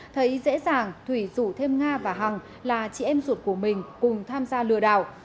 thấy dễ dàng thủy rủ thêm nga và hằng là chị em ruột của mình cùng tham gia lừa đảo